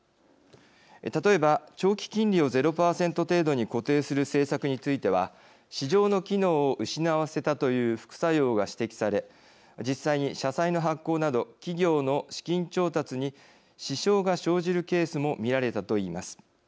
例えば長期金利をゼロ％程度に固定する政策については市場の機能を失わせたという副作用が指摘され実際に社債の発行など企業の資金調達に支障が生じるケースも見られたといいます。